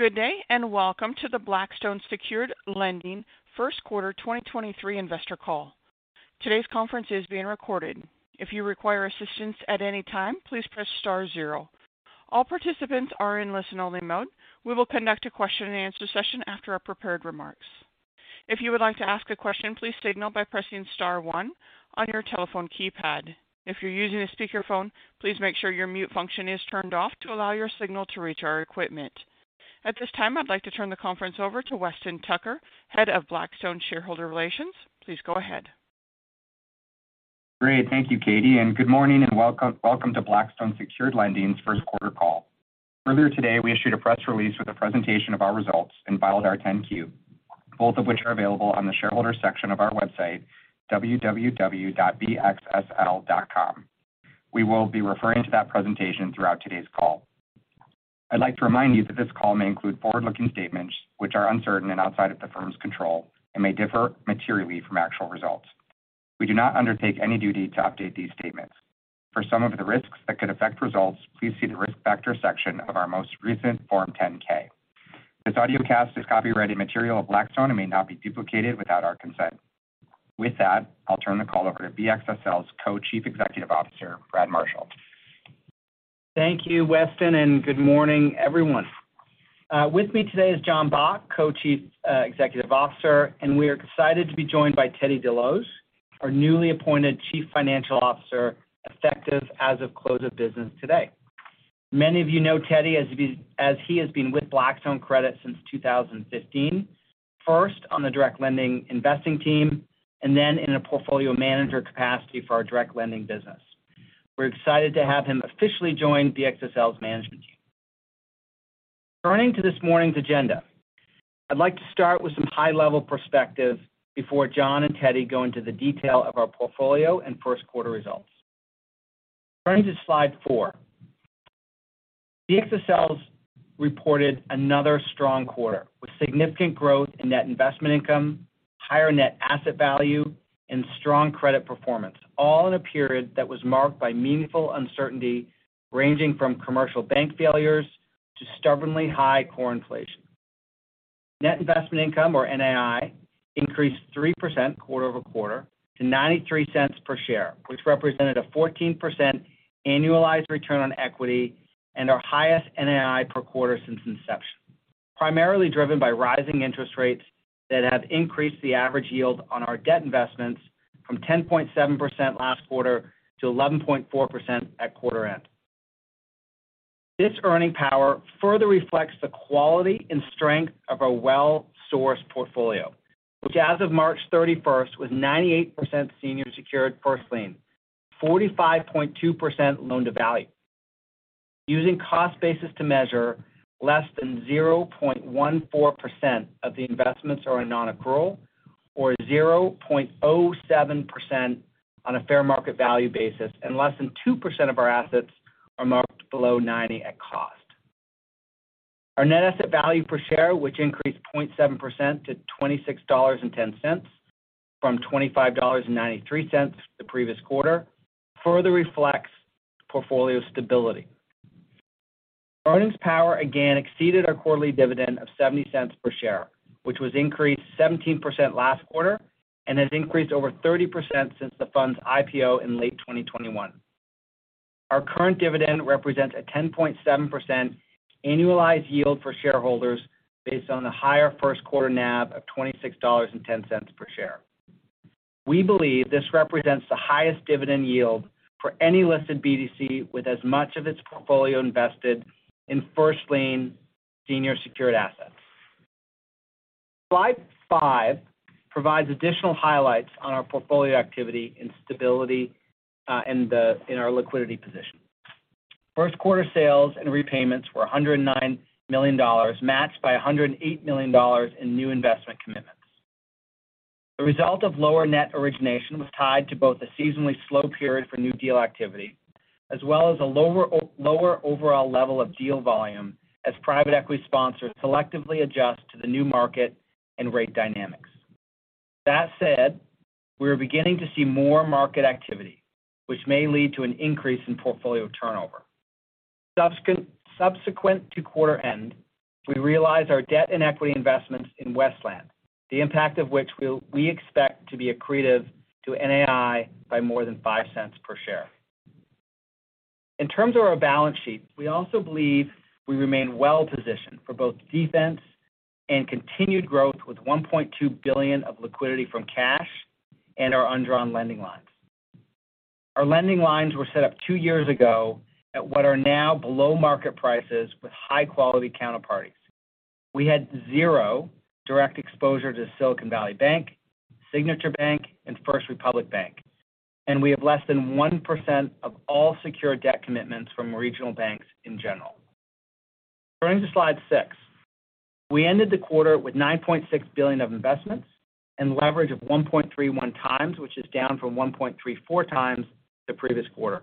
Good day, and welcome to the Blackstone Secured Lending First Quarter 2023 Investor Call. Today's conference is being recorded. If you require assistance at any time, please Press Star zero. All participants are in listen-only mode. We will conduct a question-and-answer session after our prepared remarks. If you would like to ask a question, please signal by pressing star one on your telephone keypad. If you're using a speakerphone, please make sure your mute function is turned off to allow your signal to reach our equipment. At this time, I'd like to turn the conference over to Weston Tucker, Head of Shareholder Relations. Please go ahead. Great. Thank you, Katie, good morning and welcome to Blackstone Secured Lending's first quarter call. Earlier today, we issued a press release with a presentation of our results and filed our 10-Q, both of which are available on the shareholder section of our website, bxsl.com. We will be referring to that presentation throughout today's call. I'd like to remind you that this call may include forward-looking statements which are uncertain and outside of the firm's control and may differ materially from actual results. We do not undertake any duty to update these statements. For some of the risks that could affect results, please see the Risk Factor section of our most recent form 10-K. This audiocast is copyrighted material of Blackstone and may not be duplicated without our consent. With that, I'll turn the call over to BXSL's Co-Chief Executive Officer, Brad Marshall. Thank you, Weston. Good morning, everyone. With me today is John Bock, Co-Chief Executive Officer, and we are excited to be joined by Teddy Desloge, our newly appointed Chief Financial Officer, effective as of close of business today. Many of you know Teddy as he has been with Blackstone Credit since 2015, first on the direct lending investing team and then in a portfolio manager capacity for our direct lending business. We're excited to have him officially join BXSL's management team. Turning to this morning's agenda, I'd like to start with some high-level perspective before John and Teddy go into the detail of our portfolio and first quarter results. Turning to slide four. BXSL's reported another strong quarter with significant growth in net investment income, higher net asset value, and strong credit performance, all in a period that was marked by meaningful uncertainty, ranging from commercial bank failures to stubbornly high core inflation. Net investment income, or NAI, increased 3% quarter-over-quarter to $0.93 per share, which represented a 14% annualized return on equity and our highest NAI per quarter since inception, primarily driven by rising interest rates that have increased the average yield on our debt investments from 10.7% last quarter to 11.4% at quarter end. This earning power further reflects the quality and strength of our well-sourced portfolio, which as of March 31st was 98% senior secured first lien, 45.2% loan-to-value. Using cost basis to measure, less than 0.14% of the investments are in non-accrual or 0.07% on a fair market value basis, and less than 2% of our assets are marked below 90 at cost. Our net asset value per share, which increased 0.7% to $26.10 from $25.93 the previous quarter, further reflects portfolio stability. Earnings power again exceeded our quarterly dividend of $0.70 per share, which was increased 17% last quarter and has increased over 30% since the fund's IPO in late 2021. Our current dividend represents a 10.7% annualized yield for shareholders based on the higher first quarter NAV of $26.10 per share. We believe this represents the highest dividend yield for any listed BDC with as much of its portfolio invested in first lien senior secured assets. Slide five provides additional highlights on our portfolio activity and stability, in our liquidity position. First quarter sales and repayments were $109 million, matched by $108 million in new investment commitments. The result of lower net origination was tied to both a seasonally slow period for new deal activity as well as a lower overall level of deal volume as private equity sponsors selectively adjust to the new market and rate dynamics. That said, we are beginning to see more market activity which may lead to an increase in portfolio turnover. Subsequent to quarter end, we realized our debt and equity investments in Westland, the impact of which we expect to be accretive to NAI by more than $0.05 per share. In terms of our balance sheet, we also believe we remain well positioned for both defense and continued growth with $1.2 billion of liquidity from cash and our undrawn lending lines. Our lending lines were set up two years ago at what are now below market prices with high-quality counterparties. We had zero direct exposure to Silicon Valley Bank, Signature Bank, and First Republic Bank. We have less than 1% of all secure debt commitments from regional banks in general. Turning to slide six. We ended the quarter with $9.6 billion of investments and leverage of 1.31 times, which is down from 1.34 times the previous quarter.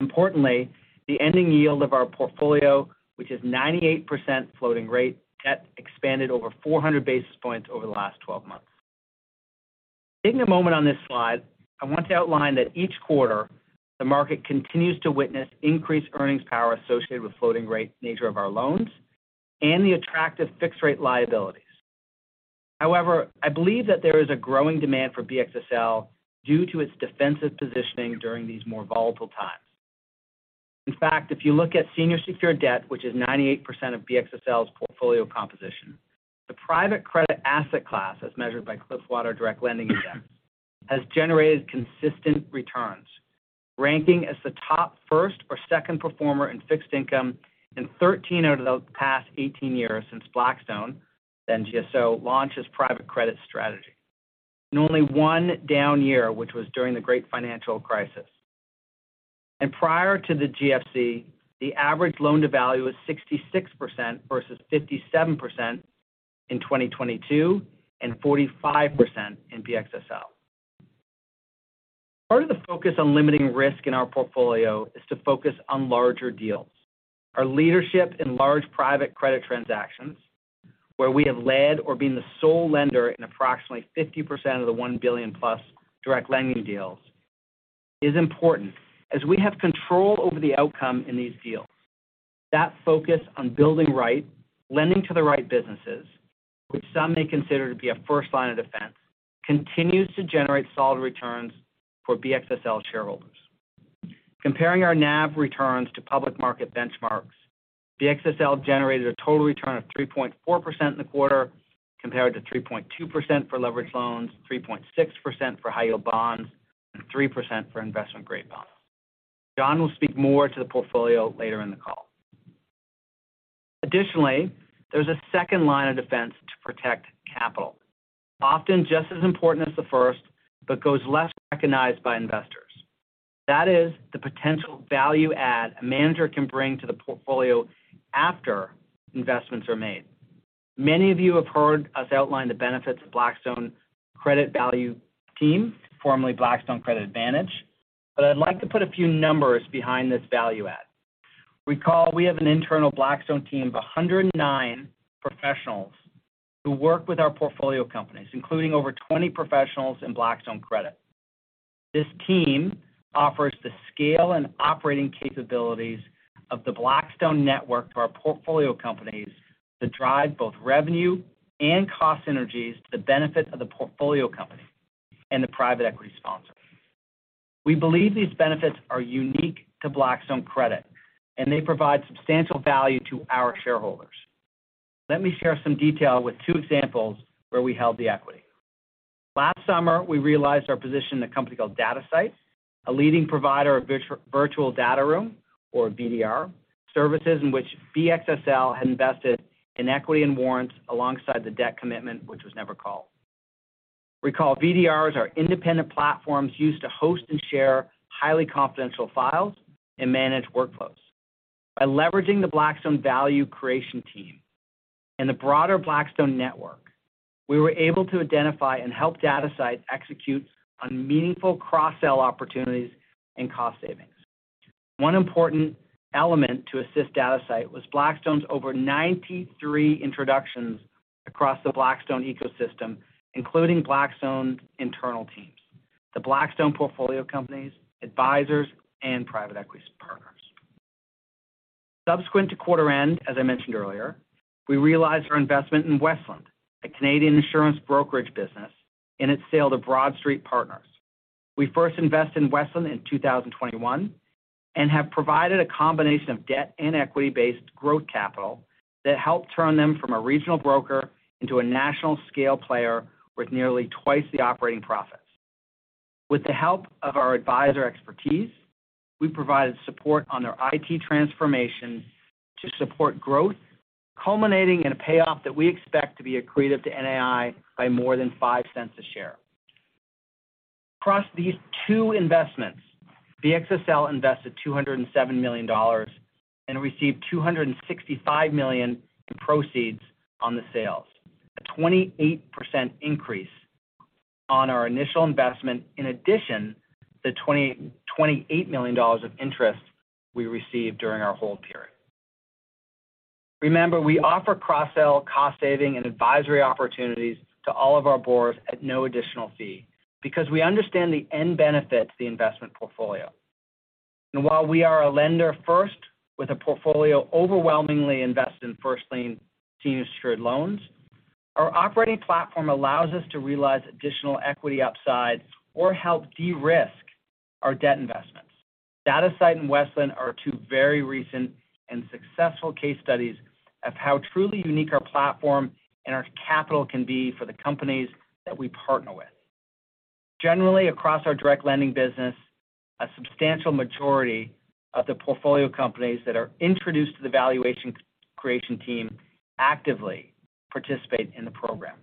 Importantly, the ending yield of our portfolio, which is 98% floating rate debt, expanded over 400 basis points over the last 12 months. Taking a moment on this slide, I want to outline that each quarter the market continues to witness increased earnings power associated with floating rate nature of our loans and the attractive fixed rate liabilities. However, I believe that there is a growing demand for BXSL due to its defensive positioning during these more volatile times. In fact, if you look at senior secured debt, which is 98% of BXSL's portfolio composition, the private credit asset class, as measured by Cliffwater Direct Lending Index, has generated consistent returns, ranking as the top first or second performer in fixed income in 13 out of the past 18 years since Blackstone, then GSO, launched its private credit strategy. In only one down year, which was during the Great Financial Crisis. Prior to the GFC, the average loan to value was 66% versus 57% in 2022, and 45% in BXSL. Part of the focus on limiting risk in our portfolio is to focus on larger deals. Our leadership in large private credit transactions where we have led or been the sole lender in approximately 50% of the $1 billion+ direct lending deals is important as we have control over the outcome in these deals. That focus on building right, lending to the right businesses, which some may consider to be a first line of defense, continues to generate solid returns for BXSL shareholders. Comparing our NAV returns to public market benchmarks, BXSL generated a total return of 3.4% in the quarter compared to 3.2% for leveraged loans, 3.6% for high yield bonds, and 3% for investment grade bonds. John will speak more to the portfolio later in the call. There's a second line of defense to protect capital. Often just as important as the first, but goes less recognized by investors. That is the potential value add a manager can bring to the portfolio after investments are made. Many of you have heard us outline the benefits of Blackstone Credit Value team, formerly Blackstone Credit Advantage, but I'd like to put a few numbers behind this value add. Recall, we have an internal Blackstone team of 109 professionals who work with our portfolio companies, including over 20 professionals in Blackstone Credit. This team offers the scale and operating capabilities of the Blackstone network to our portfolio companies that drive both revenue and cost synergies to the benefit of the portfolio company and the private equity sponsor. We believe these benefits are unique to Blackstone Credit, and they provide substantial value to our shareholders. Let me share some detail with two examples where we held the equity. Last summer, we realized our position in a company called Datasite, a leading provider of virtual data room or VDR services in which BXSL had invested in equity and warrants alongside the debt commitment, which was never called. Recall VDRs are independent platforms used to host and share highly confidential files and manage workflows. By leveraging the Blackstone Value Creation team and the broader Blackstone network, we were able to identify and help Datasite execute on meaningful cross-sell opportunities and cost savings. One important element to assist Datasite was Blackstone's over 93 introductions across the Blackstone ecosystem, including Blackstone internal teams, the Blackstone portfolio companies, advisors, and private equity partners. Subsequent to quarter end, as I mentioned earlier, we realized our investment in Westland, a Canadian insurance brokerage business, in its sale to BroadStreet Partners. We first invested in Westland in 2021 and have provided a combination of debt and equity-based growth capital that helped turn them from a regional broker into a national scale player with nearly twice the operating profits. With the help of our advisor expertise, we provided support on their IT transformation to support growth, culminating in a payoff that we expect to be accretive to NAI by more than $0.05 a share. Across these two investments, BXSL invested $207 million and received $265 million in proceeds on the sales. A 28% increase on our initial investment in addition to $28 million of interest we received during our hold period. Remember, we offer cross-sell cost saving and advisory opportunities to all of our boards at no additional fee because we understand the end benefits the investment portfolio. While we are a lender first with a portfolio overwhelmingly invested in first lien senior secured loans, our operating platform allows us to realize additional equity upside or help de-risk our debt investments. Datasite and Westland are two very recent and successful case studies of how truly unique our platform and our capital can be for the companies that we partner with. Generally across our direct lending business, a substantial majority of the portfolio companies that are introduced to the valuation creation team actively participate in the program.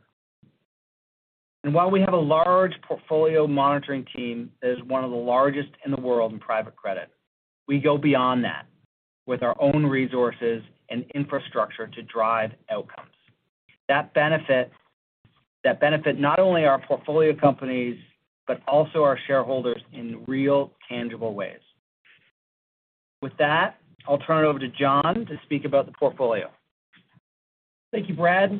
While we have a large portfolio monitoring team that is one of the largest in the world in private credit, we go beyond that with our own resources and infrastructure to drive outcomes. That benefit not only our portfolio companies, but also our shareholders in real tangible ways. With that, I'll turn it over to John to speak about the portfolio. Thank you, Brad.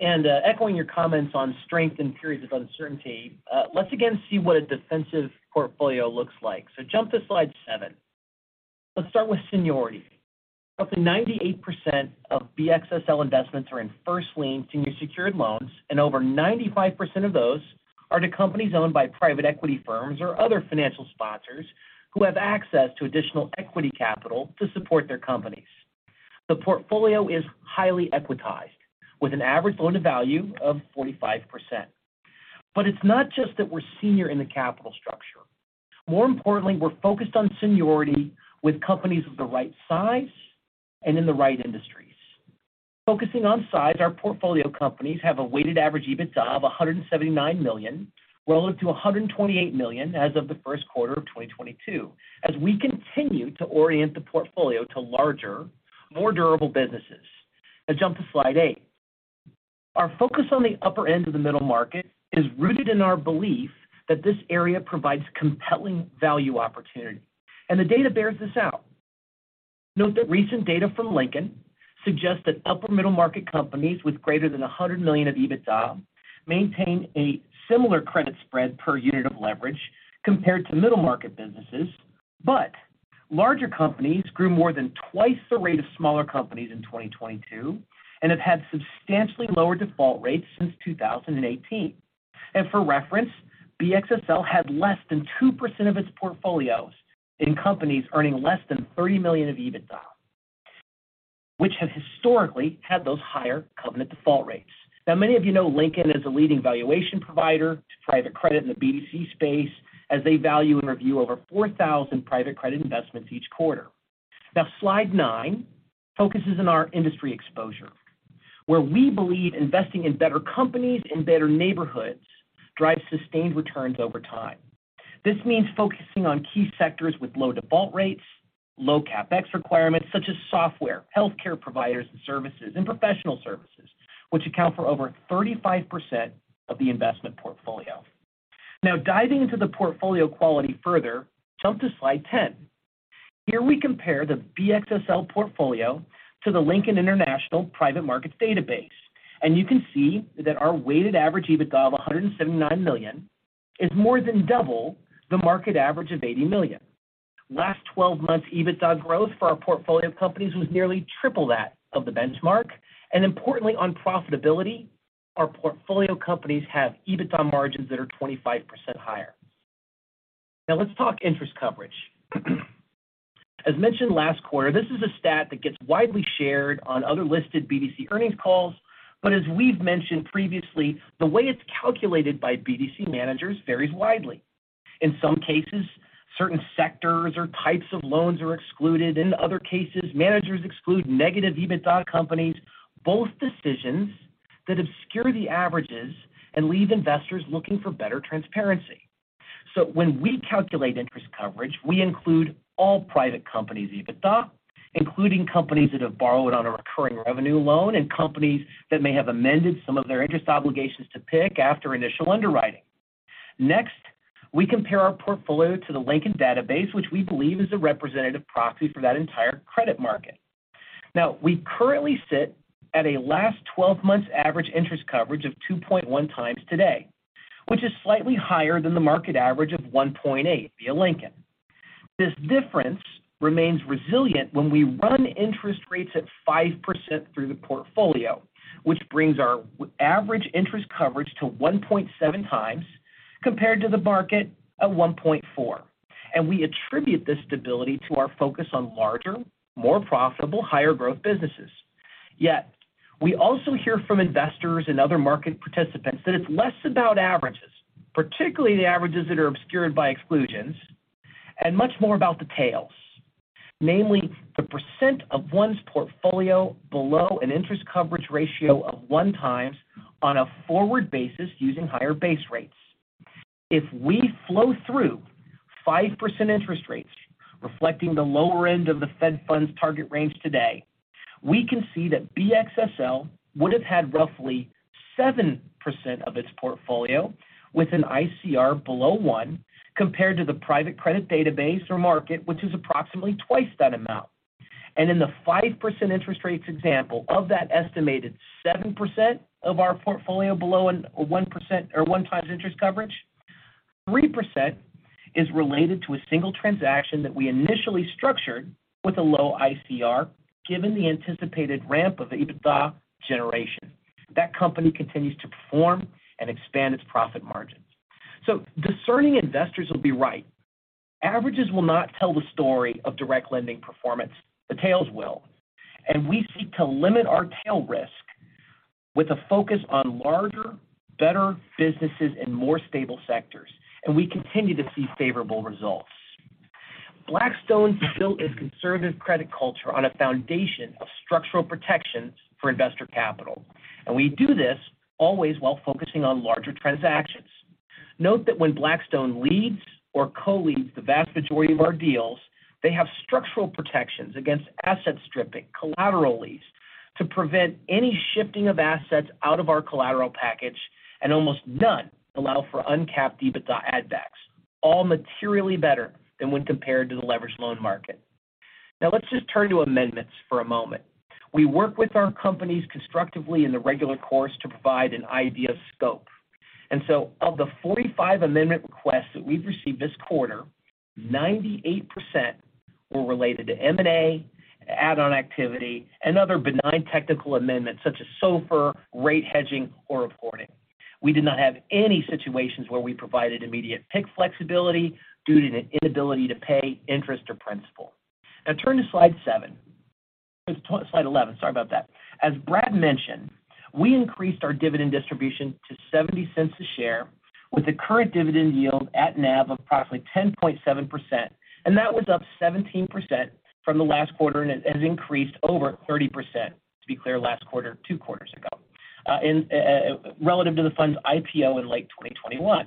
Echoing your comments on strength in periods of uncertainty, let's again see what a defensive portfolio looks like. Jump to slide seven. Let's start with seniority. Up to 98% of BXSL investments are in first lien senior secured loans, and over 95% of those are to companies owned by private equity firms or other financial sponsors who have access to additional equity capital to support their companies. The portfolio is highly equitized with an average loan-to-value of 45%. It's not just that we're senior in the capital structure. More importantly, we're focused on seniority with companies of the right size and in the right industries. Focusing on size, our portfolio companies have a weighted average EBITDA of $179 million, rolling to $128 million as of the first quarter of 2022. As we continue to orient the portfolio to larger, more durable businesses. Let's jump to slide eight. Our focus on the upper end of the middle market is rooted in our belief that this area provides compelling value opportunity, and the data bears this out. Note that recent data from Lincoln suggests that upper middle market companies with greater than $100 million of EBITDA maintain a similar credit spread per unit of leverage compared to middle market businesses. Larger companies grew more than twice the rate of smaller companies in 2022 and have had substantially lower default rates since 2018. For reference, BXSL had less than 2% of its portfolios in companies earning less than $30 million of EBITDA, which have historically had those higher covenant default rates. Many of you know Lincoln as a leading valuation provider to private credit in the BDC space as they value and review over 4,000 private credit investments each quarter. Slide nine focuses on our industry exposure, where we believe investing in better companies in better neighborhoods drives sustained returns over time. This means focusing on key sectors with low default rates, low CapEx requirements such as software, healthcare providerni and services, and professional services, which account for over 35% of the investment portfolio. Diving into the portfolio quality further, jump to slide 10. Here we compare the BXSL portfolio to the Lincoln International private markets database. You can see that our weighted average EBITDA of $179 million is more than double the market average of $80 million. Last 12 months EBITDA growth for our portfolio of companies was nearly triple that of the benchmark. Importantly, on profitability, our portfolio companies have EBITDA margins that are 25% higher. Now let's talk interest coverage. As we've mentioned last quarter, this is a stat that gets widely shared on other listed BDC earnings calls. As we've mentioned previously, the way it's calculated by BDC managers varies widely. In some cases, certain sectors or types of loans are excluded. In other cases, managers exclude negative EBITDA companies. Both decisions that obscure the averages and leave investors looking for better transparency. When we calculate interest coverage, we include all private companies' EBITDA, including companies that have borrowed on a recurring revenue loan and companies that may have amended some of their interest obligations to PIK after initial underwriting. We compare our portfolio to the Lincoln database, which we believe is a representative proxy for that entire credit market. We currently sit at a last 12 months average interest coverage of 2.1x today, which is slightly higher than the market average of 1.8 via Lincoln. This difference remains resilient when we run interest rates at 5% through the portfolio, which brings our average interest coverage to 1.7x compared to the market at 1.4. We attribute this stability to our focus on larger, more profitable, higher growth businesses. We also hear from investors and other market participants that it's less about averages, particularly the averages that are obscured by exclusions, and much more about the tails. Namely, the % of one's portfolio below an interest coverage ratio of 1x on a forward basis using higher base rates. If we flow through 5% interest rates reflecting the lower end of the fed funds target range today, we can see that BXSL would have had roughly 7% of its portfolio with an ICR below one, compared to the private credit database or market, which is approximately twice that amount. In the 5% interest rates example of that estimated 7% of our portfolio below an 1% or 1 times interest coverage, 3% is related to a single transaction that we initially structured with a low ICR, given the anticipated ramp of EBITDA generation. That company continues to perform and expand its profit margins. Discerning investors will be right. Averages will not tell the story of direct lending performance, the tails will. We seek to limit our tail risk with a focus on larger, better businesses and more stable sectors, and we continue to see favorable results. Blackstone built its conservative credit culture on a foundation of structural protections for investor capital, we do this always while focusing on larger transactions. Note that when Blackstone leads or co-leads the vast majority of our deals, they have structural protections against asset stripping, collateral to prevent any shifting of assets out of our collateral package and almost none allow for uncapped EBITDA add backs, all materially better than when compared to the leveraged loan market. Let's just turn to amendments for a moment. We work with our companies constructively in the regular course to provide an idea of scope. Of the 45 amendment requests that we've received this quarter, 98% were related to M&A, add-on activity and other benign technical amendments such as SOFR, rate hedging or reporting. We did not have any situations where we provided immediate PIK flexibility due to an inability to pay interest or principal. Turn to slide 7. Slide 11. Sorry about that. As Brad mentioned, we increased our dividend distribution to $0.70 a share with the current dividend yield at NAV of approximately 10.7%. That was up 17% from the last quarter and it has increased over 30%. To be clear, last quarter, two quarters ago, and relative to the fund's IPO in late 2021.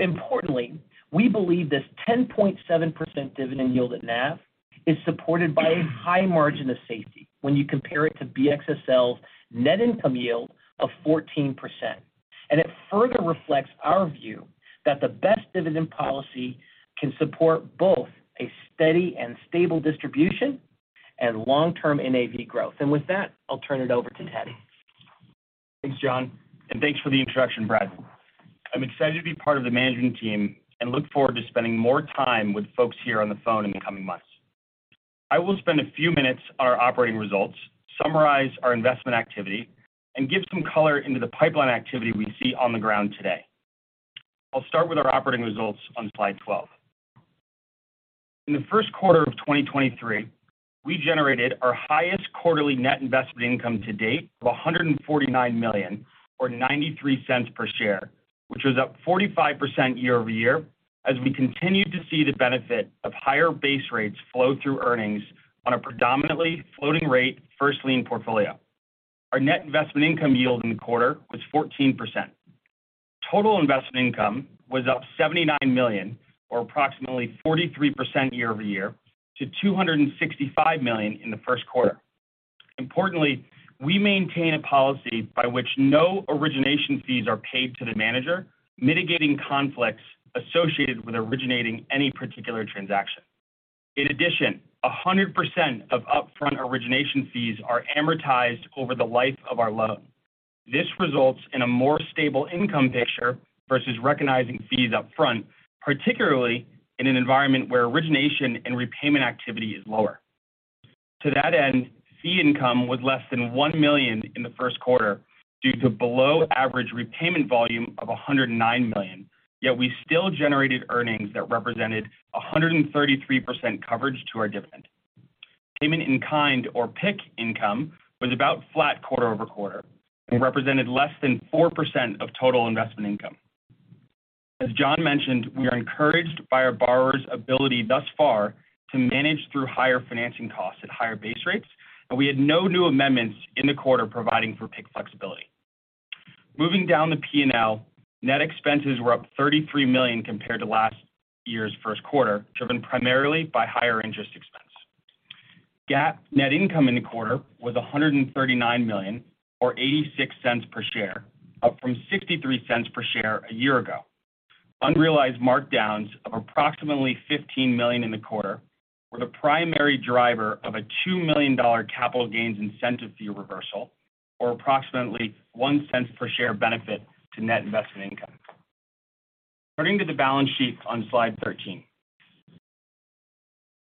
Importantly, we believe this 10.7% dividend yield at NAV is supported by a high margin of safety when you compare it to BXSL's net income yield of 14%. It further reflects our view that the best dividend policy can support both a steady and stable distribution and long-term NAV growth. With that, I'll turn it over to Teddy. Thanks, John, and thanks for the introduction, Brad. I'm excited to be part of the management team and look forward to spending more time with folks here on the phone in the coming months. I will spend a few minutes on our operating results, summarize our investment activity, and give some color into the pipeline activity we see on the ground today. I'll start with our operating results on slide 12. In the first quarter of 2023, we generated our highest quarterly net investment income to date of $149 million, or $0.93 per share, which was up 45% year-over-year as we continued to see the benefit of higher base rates flow through earnings on a predominantly floating rate first lien portfolio. Our net investment income yield in the quarter was 14%. Total investment income was up $79 million or approximately 43% year-over-year to $265 million in the first quarter. Importantly, we maintain a policy by which no origination fees are paid to the manager, mitigating conflicts associated with originating any particular transaction. In addition, 100% of upfront origination fees are amortized over the life of our loan. This results in a more stable income picture versus recognizing fees up front, particularly in an environment where origination and repayment activity is lower. To that end, fee income was less than $1 million in the first quarter due to below average repayment volume of $109 million. Yet we still generated earnings that represented 133% coverage to our dividend. Payment in kind or PIK income was about flat quarter-over-quarter and represented less than 4% of total investment income. As John mentioned, we are encouraged by our borrower's ability thus far to manage through higher financing costs at higher base rates. We had no new amendments in the quarter providing for PIK flexibility. Moving down the P&L, net expenses were up $33 million compared to last year's first quarter, driven primarily by higher interest expense. GAAP net income in the quarter was $139 million or $0.86 per share, up from $0.63 per share a year ago. Unrealized markdowns of approximately $15 million in the quarter were the primary driver of a $2 million capital gains incentive fee reversal, or approximately $0.01 per share benefit to net investment income. Turning to the balance sheet on slide 13.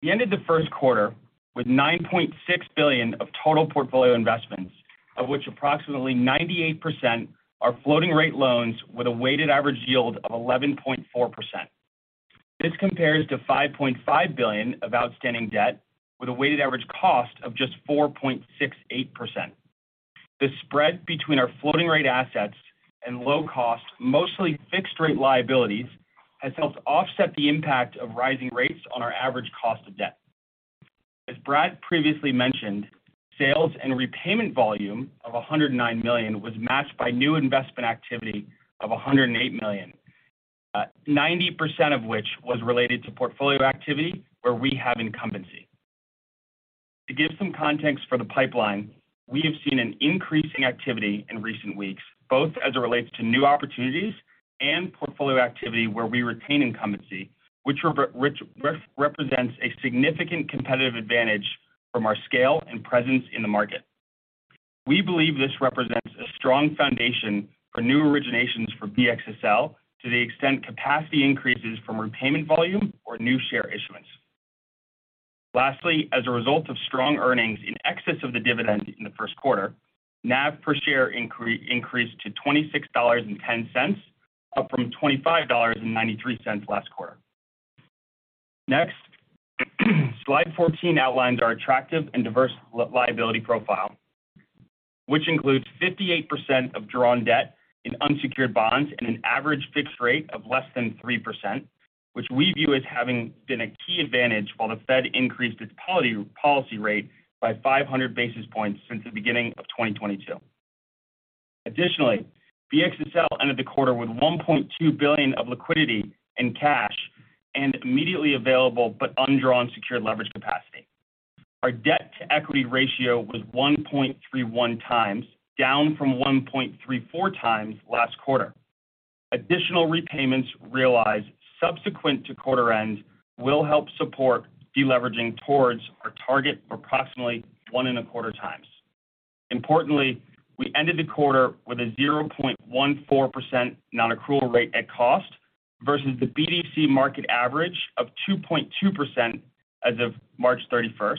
We ended the first quarter with $9.6 billion of total portfolio investments, of which approximately 98% are floating rate loans with a weighted average yield of 11.4%. This compares to $5.5 billion of outstanding debt with a weighted average cost of just 4.68%. The spread between our floating rate assets and low cost, mostly fixed rate liabilities, has helped offset the impact of rising rates on our average cost of debt. As Brad previously mentioned, sales and repayment volume of $109 million was matched by new investment activity of $108 million, 90% of which was related to portfolio activity where we have incumbency. To give some context for the pipeline, we have seen an increasing activity in recent weeks, both as it relates to new opportunities and portfolio activity where we retain incumbency, which represents a significant competitive advantage from our scale and presence in the market. We believe this represents a strong foundation for new originations for BXSL to the extent capacity increases from repayment volume or new share issuance. Lastly, as a result of strong earnings in excess of the dividend in the first quarter, NAV per share increased to $26.10, up from $25.93 last quarter. Slide 14 outlines our attractive and diverse liability profile, which includes 58% of drawn debt in unsecured bonds and an average fixed rate of less than 3%, which we view as having been a key advantage while the Fed increased its policy rate by 500 basis points since the beginning of 2022. BXSL ended the quarter with $1.2 billion of liquidity in cash, and immediately available but undrawn secured leverage capacity. Our debt-to-equity ratio was 1.31x, down from 1.34x last quarter. Additional repayments realized subsequent to quarter end will help support deleveraging towards our target of approximately 1.25x. We ended the quarter with a 0.14% non-accrual rate at cost versus the BDC market average of 2.2% as of March 31st.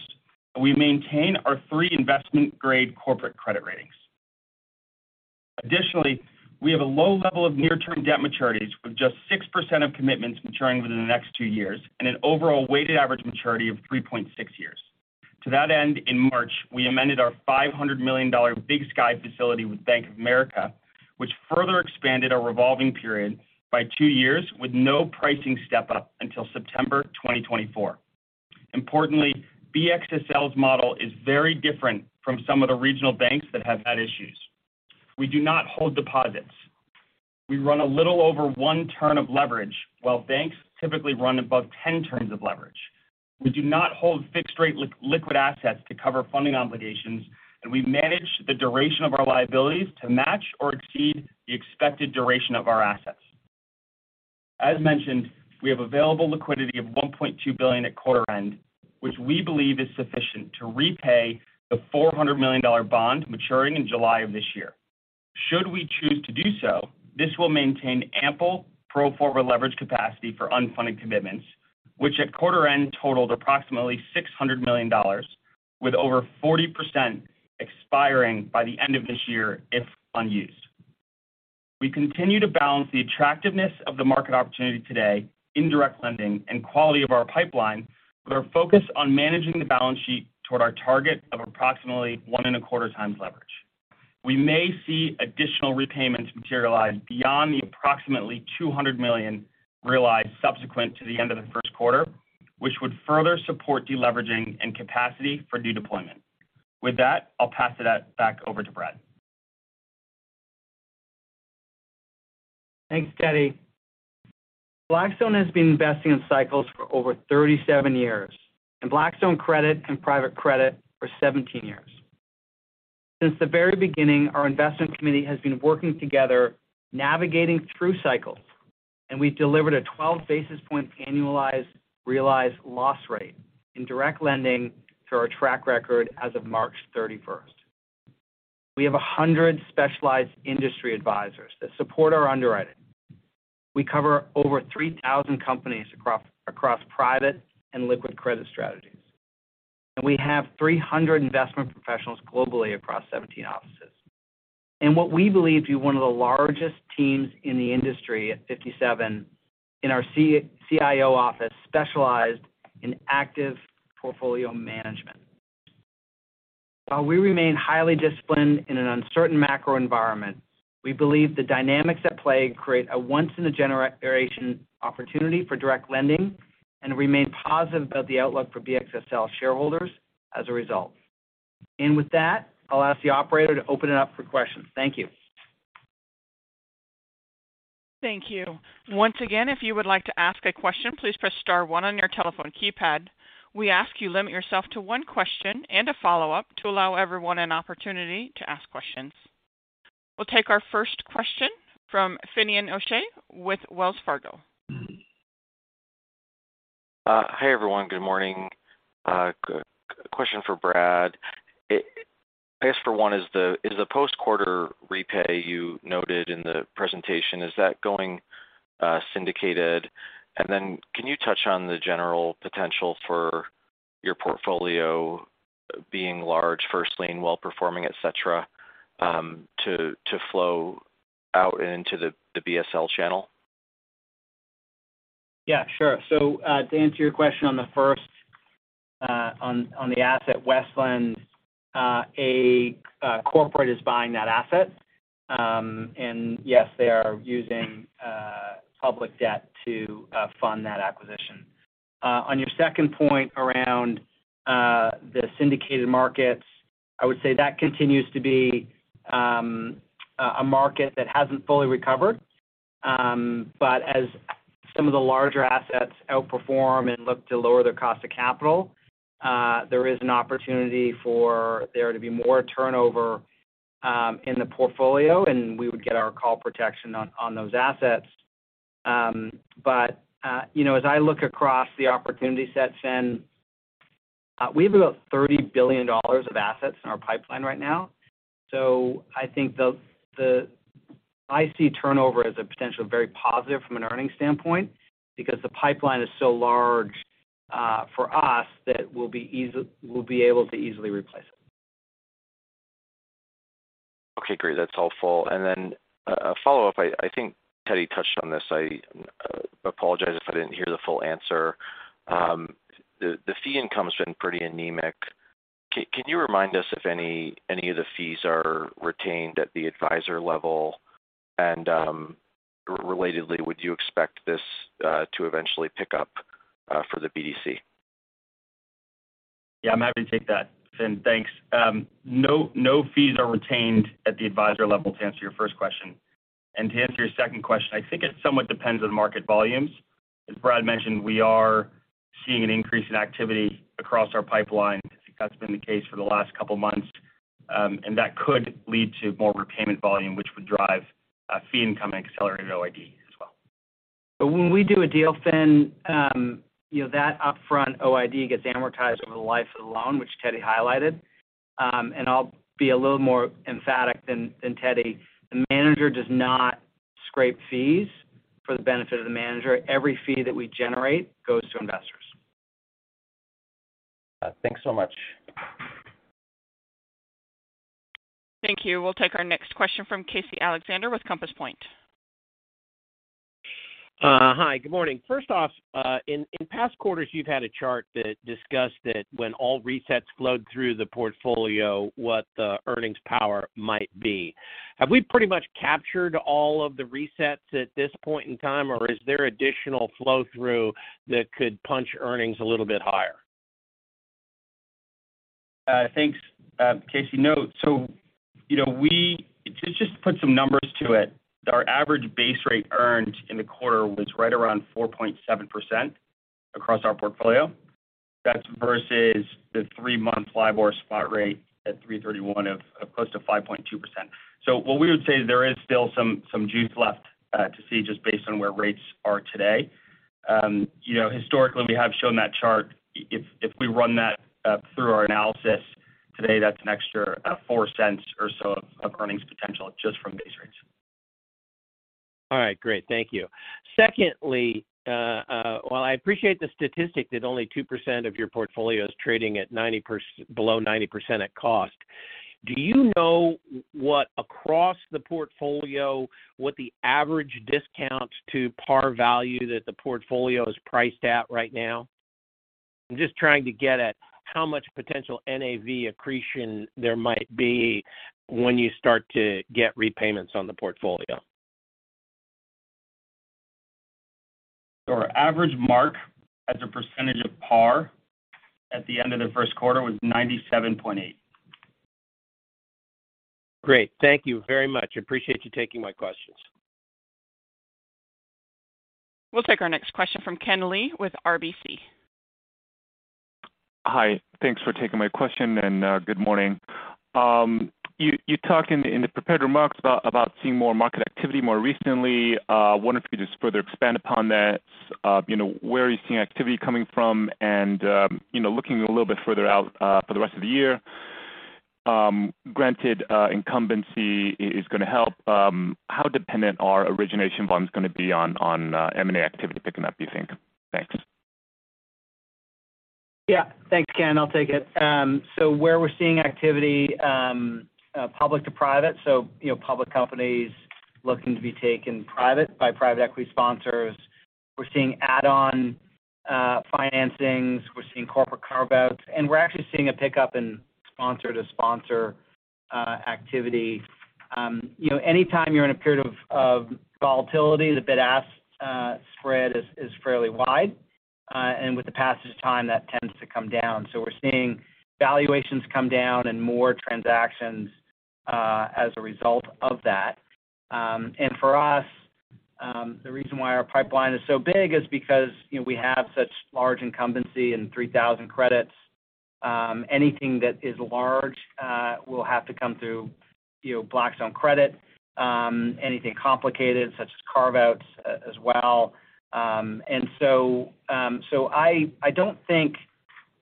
We maintain our three investment-grade corporate credit ratings. We have a low level of near-term debt maturities, with just 6% of commitments maturing within the next two years and an overall weighted average maturity of 3.6 years. To that end, in March, we amended our $500 million Big Sky facility with Bank of America, which further expanded our revolving period by two years with no pricing step-up until September 2024. BXSL's model is very different from some of the regional banks that have had issues. We do not hold deposits. We run a little over one turn of leverage, while banks typically run above 10 turns of leverage. We do not hold fixed-rate liquid assets to cover funding obligations. We manage the duration of our liabilities to match or exceed the expected duration of our assets. As mentioned, we have available liquidity of $1.2 billion at quarter end, which we believe is sufficient to repay the $400 million bond maturing in July of this year. Should we choose to do so, this will maintain ample pro forma leverage capacity for unfunded commitments, which at quarter end totaled approximately $600 million, with over 40% expiring by the end of this year if unused. We continue to balance the attractiveness of the market opportunity today in direct lending and quality of our pipeline with our focus on managing the balance sheet toward our target of approximately 1.25x leverage. We may see additional repayments materialize beyond the approximately $200 million realized subsequent to the end of the first quarter, which would further support deleveraging and capacity for new deployment. With that, I'll pass it out back over to Brad. Thanks, Teddy. Blackstone has been investing in cycles for over 37 years, and Blackstone Credit and private credit for 17 years. Since the very beginning, our investment committee has been working together, navigating through cycles, and we've delivered a 12 basis point annualized realized loss rate in direct lending through our track record as of31st March. We have 100 specialized industry advisors that support our underwriting. We cover over 3,000 companies across private and liquid credit strategies. We have 300 investment professionals globally across 17 offices. What we believe to be one of the largest teams in the industry at 57 in our CIO office specialized in active portfolio management. While we remain highly disciplined in an uncertain macro environment, we believe the dynamics at play create a once-in-a-generation opportunity for direct lending and remain positive about the outlook for BXSL shareholders as a result. With that, I'll ask the operator to open it up for questions. Thank you. Thank you. Once again, if you would like to ask a question, please press star 1 on your telephone keypad. We ask you limit yourself to 1 question and a follow-up to allow everyone an opportunity to ask questions. We'll take our first question from Finian O'Shea with Wells Fargo. Hi, everyone. Good morning. Question for Brad. I guess for one is the post-quarter repay you noted in the presentation, is that going syndicated? Then can you touch on the general potential for your portfolio being large, first lien, well-performing, et cetera, to flow out into the BSL channel? Yeah, sure. To answer your question on the first, on the asset Westland, a corporate is buying that asset. Yes, they are using public debt to fund that acquisition. On your second point around the syndicated markets, I would say that continues to be a market that hasn't fully recovered. As some of the larger assets outperform and look to lower their cost of capital, there is an opportunity for there to be more turnover in the portfolio, and we would get our call protection on those assets. You know, as I look across the opportunity sets, Finn, we have about $30 billion of assets in our pipeline right now. I think I see turnover as a potential very positive from an earnings standpoint because the pipeline is so large for us that we'll be able to easily replace it. Okay, great. That's helpful. A follow-up, I think Teddy touched on this. I apologize if I didn't hear the full answer. The fee income has been pretty anemic. Can you remind us if any of the fees are retained at the advisor level? Relatedly, would you expect this to eventually pick up for the BDC? Yeah, I'm happy to take that, Finn. Thanks. No fees are retained at the advisor level to answer your first question. To answer your second question, I think it somewhat depends on market volumes. As Brad mentioned, we are seeing an increase in activity across our pipeline. I think that's been the case for the last couple of months. That could lead to more repayment volume, which would drive fee income and accelerated OID as well. When we do a deal, Finn, you know, that upfront OID gets amortized over the life of the loan, which Teddy highlighted. I'll be a little more emphatic than Teddy. The manager does not scrape fees for the benefit of the manager. Every fee that we generate goes to investors. Thanks so much. Thank you. We'll take our next question from Casey Alexander with Compass Point. Hi, good morning. First off, in past quarters, you've had a chart that discussed that when all resets flowed through the portfolio, what the earnings power might be. Have we pretty much captured all of the resets at this point in time, or is there additional flow-through that could punch earnings a little bit higher? Thanks, Casey. No. You know, to just put some numbers to it, our average base rate earned in the quarter was right around 4.7% across our portfolio. That's versus the three month LIBOR spot rate at 3/31 of close to 5.2%. What we would say is there is still some juice left to see just based on where rates are today. You know, historically, we have shown that chart. If we run that through our analysis today, that's an extra $0.04 or so of earnings potential just from base rates. All right, great. Thank you. Secondly, while I appreciate the statistic that only 2% of your portfolio is trading at below 90% at cost, do you know what, across the portfolio, what the average discount to par value that the portfolio is priced at right now? I'm just trying to get at how much potential NAV accretion there might be when you start to get repayments on the portfolio. Our average mark as a % of par at the end of the first quarter was 97.8%. Great. Thank you very much. I appreciate you taking my questions. We'll take our next question from Kenneth Lee with RBC. Hi. Thanks for taking my question, and good morning. You talked in the prepared remarks about seeing more market activity more recently. I wonder if you could just further expand upon that. You know, where are you seeing activity coming from? You know, looking a little bit further out for the rest of the year, granted, incumbency is gonna help, how dependent are origination volumes gonna be on M&A activity picking up, do you think? Thanks. Yeah. Thanks, Ken. I'll take it. Where we're seeing activity, public to private, so, you know, public companies looking to be taken private by private equity sponsors. We're seeing add-on financings. We're seeing corporate carve-outs, and we're actually seeing a pickup in sponsor-to-sponsor activity. You know, anytime you're in a period of volatility, the bid-ask spread is fairly wide. With the passage of time, that tends to come down. We're seeing valuations come down and more transactions as a result of that. For us, the reason why our pipeline is so big is because, you know, we have such large incumbency and 3,000 credits. Anything that is large will have to come through, you know, Blackstone Credit. Anything complicated such as carve-outs as well. I don't think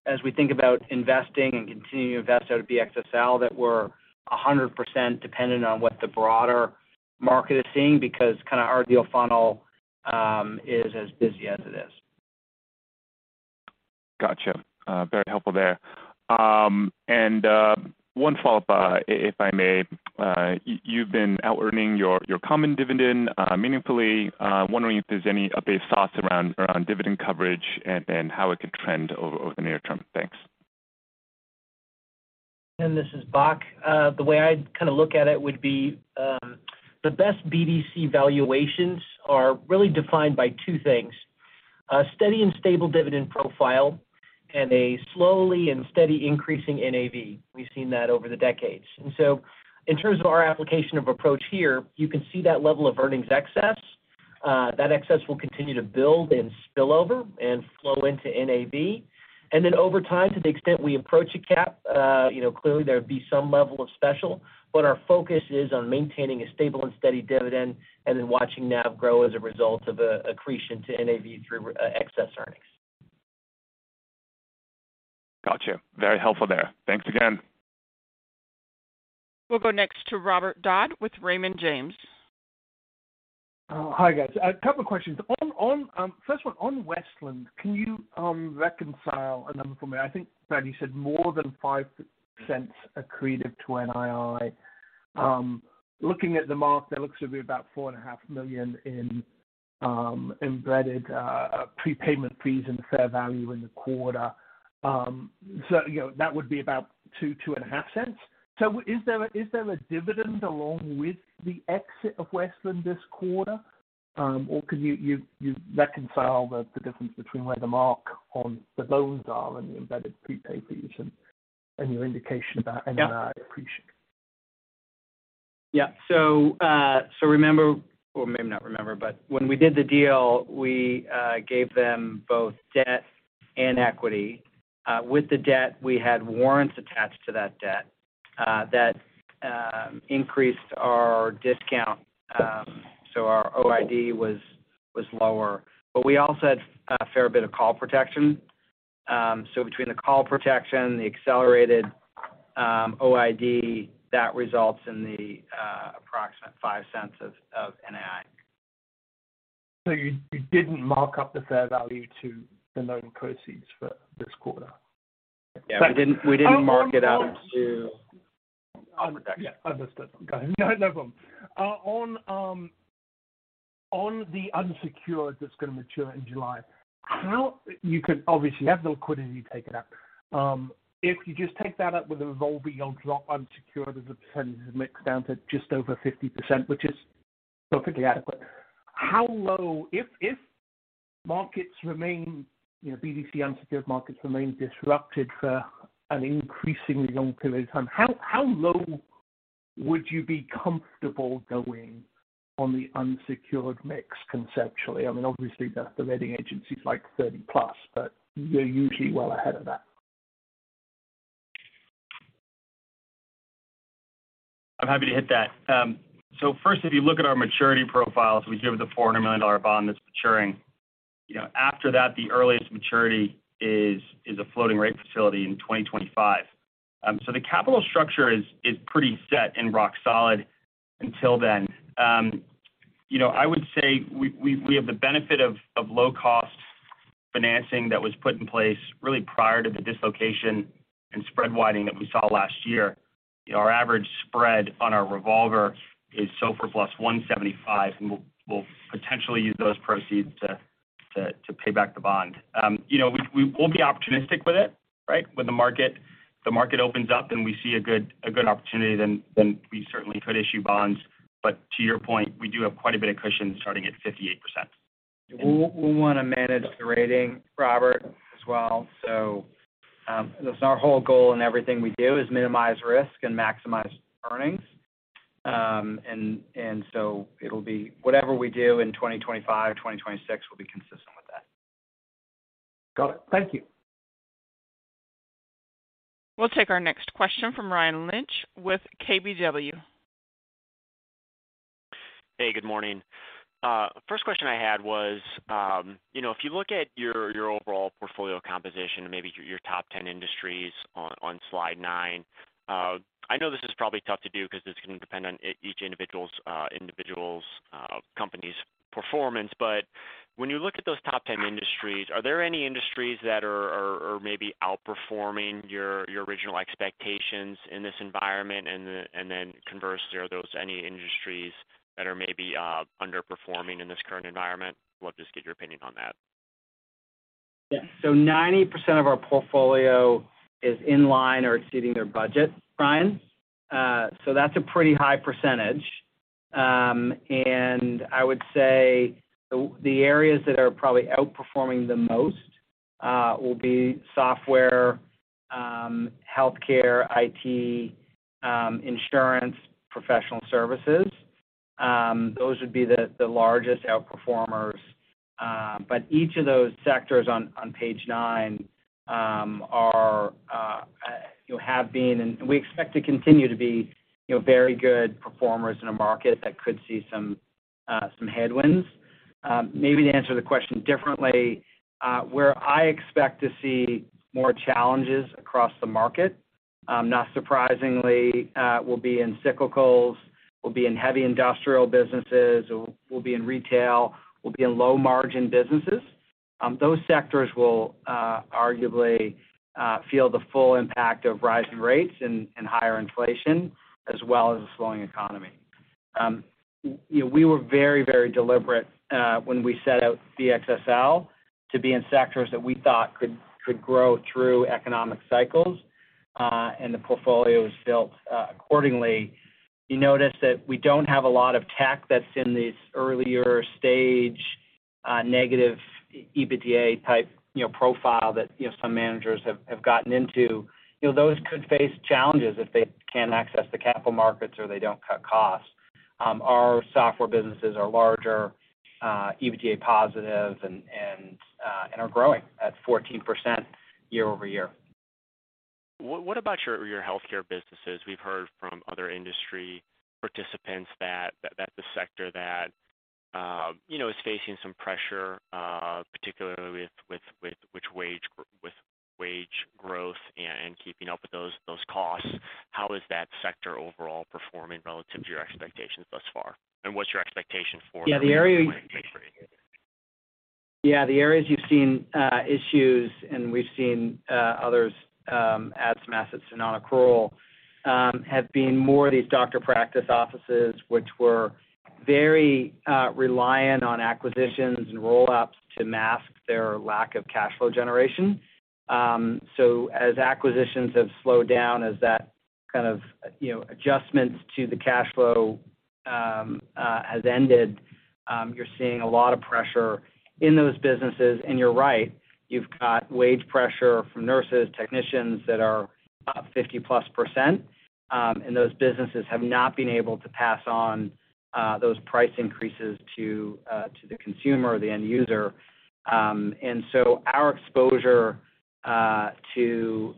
as we think about investing and continuing to invest out of BXSL, that we're 100% dependent on what the broader market is seeing because kinda our deal funnel, is as busy as it is. Gotcha. very helpful there. one follow-up, if I may. you've been outearning your common dividend, meaningfully. wondering if there's any update thoughts around dividend coverage and how it could trend over the near term. Thanks. This is Bock. The way I'd kinda look at it would be, the best BDC valuations are really defined by two things, steady and stable dividend profile and a slowly and steady increasing NAV. We've seen that over the decades. In terms of our application of approach here, you can see that level of earnings excess. That excess will continue to build and spill over and flow into NAV. Over time, to the extent we approach a cap, you know, clearly there'd be some level of special, but our focus is on maintaining a stable and steady dividend and then watching NAV grow as a result of accretion to NAV through excess earnings. Gotcha. Very helpful there. Thanks again. We'll go next to Robert Dodd with Raymond James. Hi, guys. A couple of questions. On Westland, can you reconcile a number for me? I think, Brad, you said more than $0.05 accretive to NII. Looking at the mark, that looks to be about $4.5 million in embedded prepayment fees and fair value in the quarter. So, you know, that would be about $0.02-$0.025. Is there a dividend along with the exit of Westland this quarter? Or could you reconcile the difference between where the mark on the loans are and the embedded prepay fees and your indication of that NII? I appreciate. Yeah. remember or maybe not remember, but when we did the deal, we gave them both debt and equity. With the debt, we had warrants attached to that debt that increased our discount. Our OID was lower. We also had a fair bit of call protection. Between the call protection, the accelerated OID, that results in the approximate $0.05 of NII. You didn't mark up the fair value to the loan proceeds for this quarter? Yeah. We didn't mark it up. Yeah. Understood. Go ahead. No, no problem. On the unsecured that's gonna mature in July, you could obviously have the liquidity take it up. If you just take that up with a revolver, you'll drop unsecured as a percentage of mix down to just over 50%, which is perfectly adequate. If markets remain, you know, BDC unsecured markets remain disrupted for an increasingly long period of time, how low would you be comfortable going on the unsecured mix conceptually? I mean, obviously, the rating agencies like 30%+, but you're usually well ahead of that. I'm happy to hit that. First, if you look at our maturity profiles, we give the $400 million bond that's maturing. You know, after that, the earliest maturity is a floating rate facility in 2025. The capital structure is pretty set and rock solid until then. You know, I would say we have the benefit of low cost financing that was put in place really prior to the dislocation and spread widening that we saw last year. Our average spread on our revolver is SOFR plus 175, and we'll potentially use those proceeds to pay back the bond. You know, we'll be opportunistic with it, right? When the market opens up and we see a good opportunity then we certainly could issue bonds. To your point, we do have quite a bit of cushion starting at 58%. We wanna manage the rating, Robert, as well. That's our whole goal in everything we do is minimize risk and maximize earnings. It'll be whatever we do in 2025, 2026 will be consistent with that. Got it. Thank you. We'll take our next question from Ryan Lynch with KBW. Hey, good morning. First question I had was, you know, if you look at your overall portfolio composition and maybe your top 10 industries on slide nine, I know this is probably tough to do 'cause it's gonna depend on each individual's company's performance. When you look at those top 10 industries, are there any industries that are maybe outperforming your original expectations in this environment? Then conversely, are those any industries that are maybe underperforming in this current environment? Love to just get your opinion on that. 90% of our portfolio is in line or exceeding their budget, Ryan. That's a pretty high percentage. I would say the areas that are probably outperforming the most will be software, healthcare, IT, insurance, professional services. Those would be the largest outperformers. Each of those sectors on page 9 are, you know, have been, and we expect to continue to be, you know, very good performers in a market that could see some headwinds. Maybe to answer the question differently, where I expect to see more challenges across the market, not surprisingly, will be in cyclicals, will be in heavy industrial businesses, will be in retail, will be in low margin businesses. Those sectors will, arguably, feel the full impact of rising rates and higher inflation as well as a slowing economy. You know, we were very, very deliberate when we set out BXSL to be in sectors that we thought could grow through economic cycles, the portfolio was built accordingly. You notice that we don't have a lot of tech that's in these earlier stage, negative EBITDA type, you know, profile that, you know, some managers have gotten into. You know, those could face challenges if they can't access the capital markets or they don't cut costs. Our software businesses are larger, EBITDA positive and are growing at 14% year-over-year. What about your healthcare businesses? We've heard from other industry participants that the sector, you know, is facing some pressure, particularly with wage growth and keeping up with those costs. How is that sector overall performing relative to your expectations thus far? What's your expectation for- Yeah. The area. Thanks for the input. Yeah. The areas you've seen issues, and we've seen others add some assets to non-accrual have been more of these doctor practice offices, which were very reliant on acquisitions and roll-ups to mask their lack of cash flow generation. As acquisitions have slowed down, as that kind of, you know, adjustments to the cash flow has ended. You're seeing a lot of pressure in those businesses, and you're right. You've got wage pressure from nurses, technicians that are up 50%+, and those businesses have not been able to pass on those price increases to the consumer or the end user. Our exposure to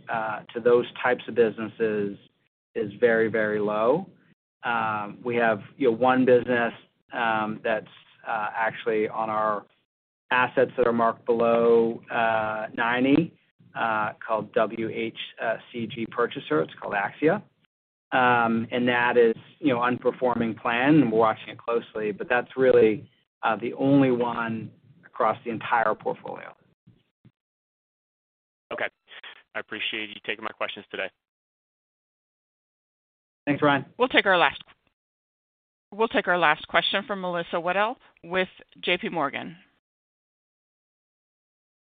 those types of businesses is very, very low. We have, you know, one business, that's actually on our assets that are marked below 90, called WHCG Purchaser. It's called Axia. That is, you know, unperforming plan, and we're watching it closely, but that's really, the only one across the entire portfolio. Okay. I appreciate you taking my questions today. Thanks, Ryan. We'll take our last question from Melissa Wedel with J.P. Morgan.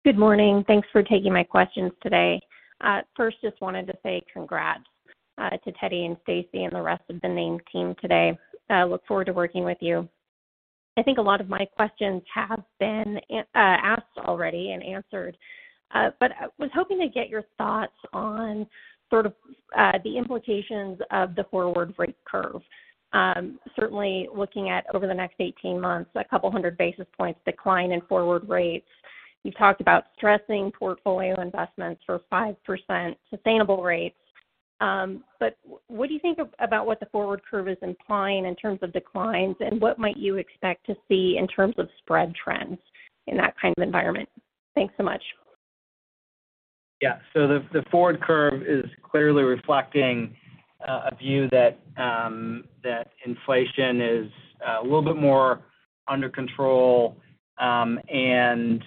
Good morning. Thanks for taking my questions today. First, just wanted to say congrats to Teddy Desloge and Stacy and the rest of the named team today. Look forward to working with you. I think a lot of my questions have been asked already and answered. I was hoping to get your thoughts on sort of the implications of the forward rate curve. Certainly looking at over the next 18 months, a 200 basis points decline in forward rates. You talked about stressing portfolio investments for 5% sustainable rates. What do you think about what the forward curve is implying in terms of declines, and what might you expect to see in terms of spread trends in that kind of environment? Thanks so much. Yeah. The forward curve is clearly reflecting a view that inflation is a little bit more under control, and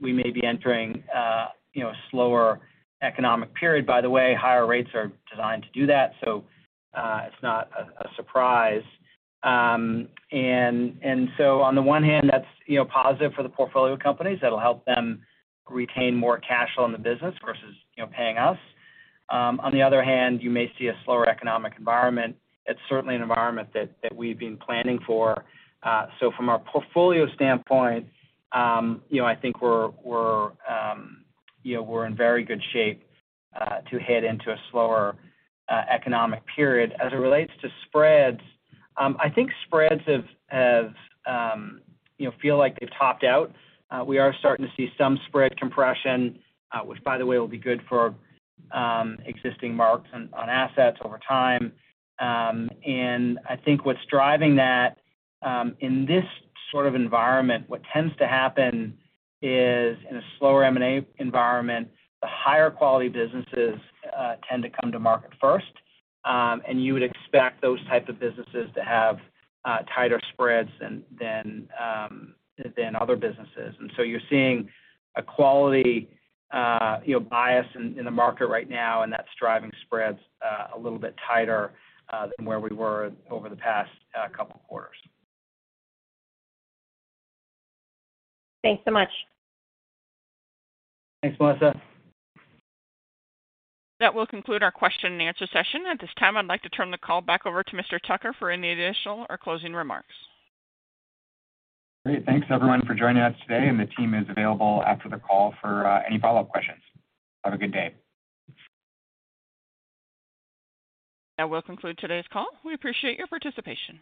we may be entering, you know, a slower economic period. By the way, higher rates are designed to do that. It's not a surprise. On the one hand, that's, you know, positive for the portfolio companies. That'll help them retain more cash flow in the business versus, you know, paying us. On the other hand, you may see a slower economic environment. It's certainly an environment that we've been planning for. From a portfolio standpoint, you know, I think we're, you know, we're in very good shape to head into a slower economic period. As it relates to spreads, I think spreads have, you know, feel like they've topped out. We are starting to see some spread compression, which by the way, will be good for existing marks on assets over time. I think what's driving that, in this sort of environment, what tends to happen is in a slower M&A environment, the higher quality businesses tend to come to market first. You would expect those type of businesses to have tighter spreads than other businesses. You're seeing a quality, you know, bias in the market right now, and that's driving spreads a little bit tighter than where we were over the past couple quarters. Thanks so much. Thanks, Melissa. That will conclude our question and answer session. At this time, I'd like to turn the call back over to Mr. Tucker for any additional or closing remarks. Great. Thanks everyone for joining us today. The team is available after the call for any follow-up questions. Have a good day. That will conclude today's call. We appreciate your participation.